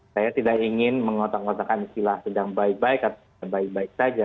saya tidak ingin mengotak ngotongkan istilah sedang baik baik atau sedang baik baik saja